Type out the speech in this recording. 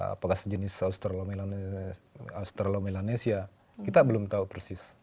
apakah sejenis australomesterlomelanesia kita belum tahu persis